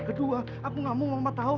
kedua aku gak mau mama tahu